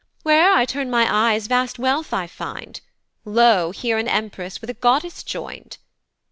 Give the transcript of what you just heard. "Where'er I turn my eyes vast wealth I find, "Lo! here an empress with a goddess join'd.